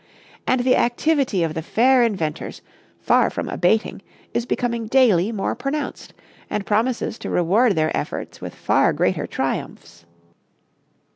And the activity of the fair inventors, far from abating, is becoming daily more pronounced, and promises to reward their efforts with far greater triumphs.